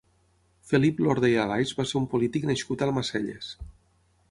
Felip Lorda i Alaiz va ser un polític nascut a Almacelles.